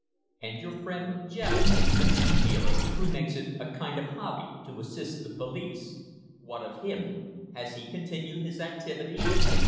"And your friend Jevons the tea dealer who makes it a kind of hobby to assist the police. What of him? Has he continued his activity?"